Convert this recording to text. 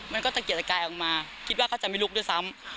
มันก็ตะเกียดตะกายออกมาคิดว่าเขาจะไม่ลุกด้วยซ้ำ